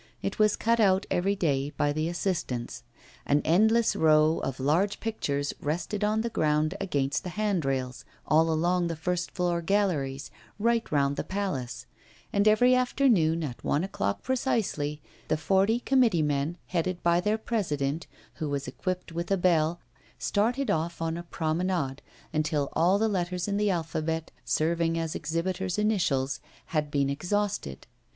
It was cut out every day by the assistants. An endless row of large pictures rested on the ground against the handrails, all along the first floor galleries, right round the Palace; and every afternoon, at one o'clock precisely, the forty committee men, headed by their president, who was equipped with a bell, started off on a promenade, until all the letters in the alphabet, serving as exhibitors' initials, had been exhausted.